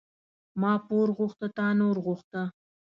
ما پور غوښته تا نور غوښته.